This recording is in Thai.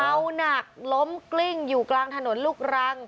หนักล้มกลิ้งอยู่กลางถนนลูกรัง